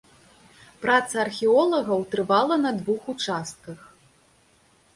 Праца археолагаў трывала на двух участках.